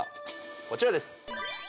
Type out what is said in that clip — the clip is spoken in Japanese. こちらです。